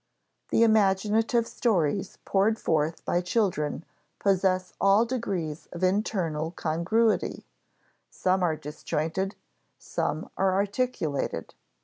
The imaginative stories poured forth by children possess all degrees of internal congruity; some are disjointed, some are articulated.